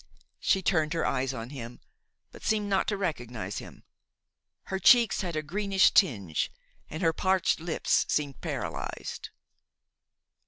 She turned her eyes on him, but seemed not to recognize him. Her cheeks had a greenish tinge and her parched lips seemed paralyzed.